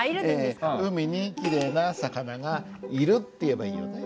「海にきれいな魚がいる」って言えばいいよね。